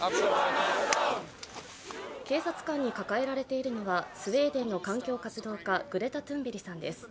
警察官に抱えられているのはスウェーデンの環境活動家、グレタ・トゥンベリさんです。